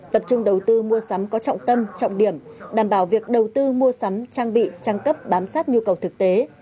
tập trung đầu tư mua sắm có trọng tâm trọng điểm đảm bảo việc đầu tư mua sắm trang bị trang cấp bám sát nhu cầu thực tế